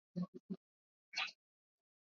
Bibi anasoma kitabu na mama anapika chakula.